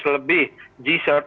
seratus lebih g cert